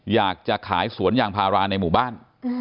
อยากจะขายสวนยางพาราในหมู่บ้าน